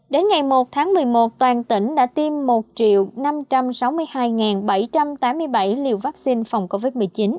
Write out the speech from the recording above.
đến ngày một tháng một mươi một toàn tỉnh đã tiêm một năm trăm sáu mươi hai bảy trăm tám mươi bảy liều vaccine phòng covid một mươi chín